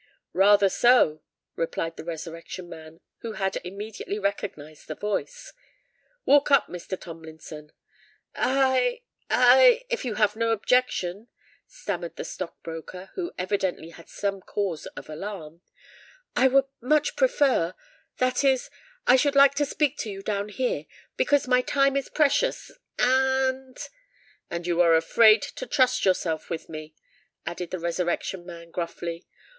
"Rather so," replied the Resurrection Man, who had immediately recognised the voice; "walk up, Mr. Tomlinson." "I—I—if you have no objection," stammered the stock broker, who evidently had some cause of alarm, "I would much prefer—that is, I should like to speak to you down here; because my time is precious—and——" "And you are afraid to trust yourself with me," added the Resurrection Man, gruffly.